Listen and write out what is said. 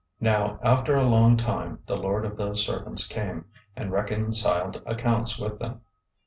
025:019 "Now after a long time the lord of those servants came, and reconciled accounts with them.